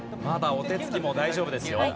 まだお手つきも大丈夫ですよ。